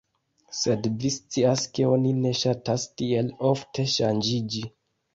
Sed vi scias ke oni ne ŝatas tiel ofte ŝanĝiĝi."